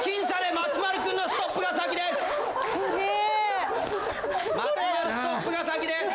松丸ストップが先です。